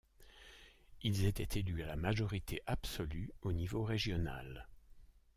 Ils étaient élus à la majorité absolue, au niveau régional.